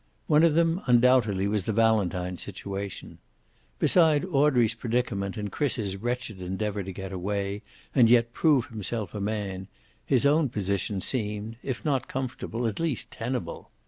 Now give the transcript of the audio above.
One of them undoubtedly was the Valentine situation. Beside Audrey's predicament and Chris's wretched endeavor to get away and yet prove himself a man, his own position seemed, if not comfortable, at least tenable.